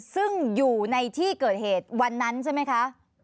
ซึ่งอยู่ในที่เกิดเหตุวันนั้นใช่ไหมคะ